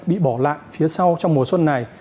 bị bỏ lại phía sau trong mùa xuân này